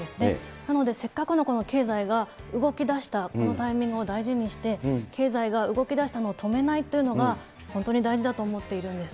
なので、せっかくの経済が動きだしたこのタイミングを大事にして、経済が動きだしたのを止めないというのが、本当に大事だと思っているんです。